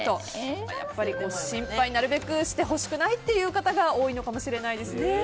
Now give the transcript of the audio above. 心配なるべくしてほしくない方が多いのかもしれないですね。